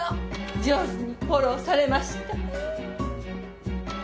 上手にフォローされました。